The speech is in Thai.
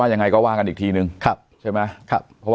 เพราะคุยกันแล้วคุณบอกว่าให้๕แสน